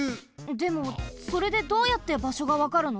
でもそれでどうやってばしょがわかるの？